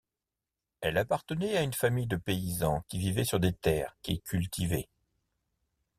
Elle appartenait à une famille de paysans qui vivaient sur des terres qu’ils cultivaient.